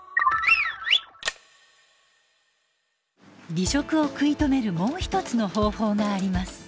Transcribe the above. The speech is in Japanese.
離職を食い止めるもう１つの方法があります。